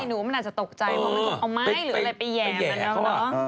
ใช่หนูมันอาจจะตกใจเพราะว่ามันก็เอาไม้หรืออะไรไปแห่มมันแล้ว